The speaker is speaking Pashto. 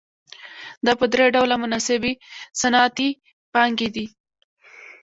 دا په درې ډوله مناسبې صنعتي پانګې دي